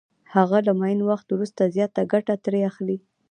هغه له معین وخت وروسته زیاته ګټه ترې اخلي